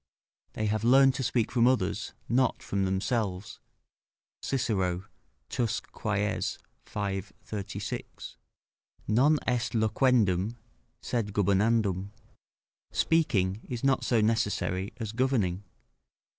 ["They have learned to speak from others, not from themselves." Cicero, Tusc. Quaes, v. 36.] "Non est loquendum, sed gubernandum." ["Speaking is not so necessary as governing."